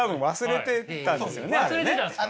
忘れてたんですか？